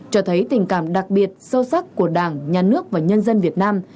cho thấy tình cảm đặc biệt sâu sắc của đảng nhà nước và nhân dân việt nam